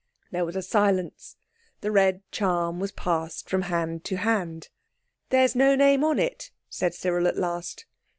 There was a silence. The red charm was passed from hand to hand. "There's no name on it," said Cyril at last.